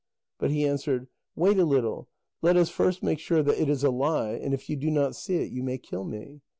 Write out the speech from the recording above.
But he answered: "Wait a little; let us first make sure that it is a lie, and if you do not see it, you may kill me."